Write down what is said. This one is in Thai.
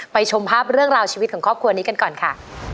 ชมภาพเรื่องราวชีวิตของครอบครัวนี้กันก่อนค่ะ